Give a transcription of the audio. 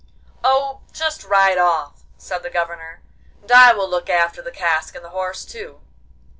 'Oh, just ride off,' said the Governor, 'and I will look after the cask and the horse too.